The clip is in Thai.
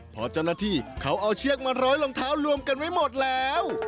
พอเจ้าหน้าที่เขาเอาเชือกมาร้อยรองเท้ารวมกันไว้หมดแล้ว